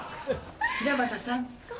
平匡さん。